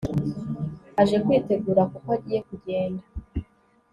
aje kwitegura kuko agiye kugenda